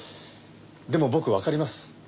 でも僕わかります。